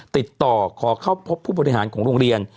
ติดต่อขอเข้าพบผู้บริหารของโรงเรียน